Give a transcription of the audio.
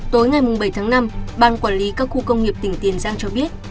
tối ngày bảy tháng năm ban quản lý các khu công nghiệp tỉnh tiền giang cho biết